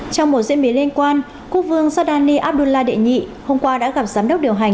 trong một diễn biến liên quan quốc vương giordani abdullah đệ nhị hôm qua đã gặp giám đốc điều hành